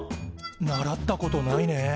習ったことないね。